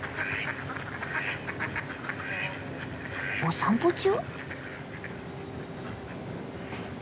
お散歩中？